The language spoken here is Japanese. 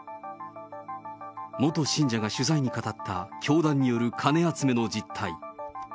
元信者が取材に語った教団による金集めの実態。